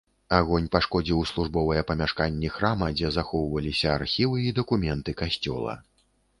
Агонь пашкодзіў службовыя памяшканні храма, дзе захоўваліся архівы і дакументы касцёла.